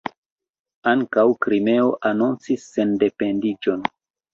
Ankaŭ Krimeo anoncis sendependiĝon.